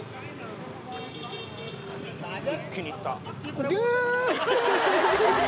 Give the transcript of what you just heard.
一気にいった！